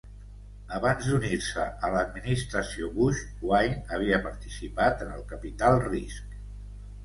Abans d'unir-se a l'Administració Bush, Wynne havia participat en el capital risc.